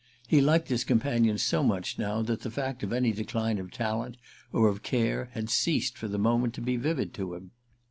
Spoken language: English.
He liked his companion so much now that the fact of any decline of talent or of care had ceased for the moment to be vivid to him.